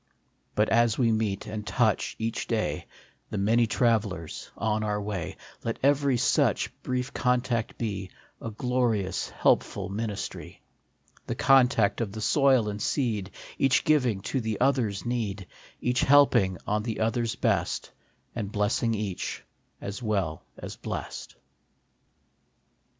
But as we meet and touch, each day, The many travellers on our way, Let every such brief contact be A glorious, helpful ministry; The contact of the soil and seed, Each giving to the other s need, Each helping on the others best, And blessing, each, as well as blest.